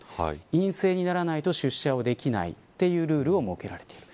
陰性にならないと出社できないというルールを設けられている。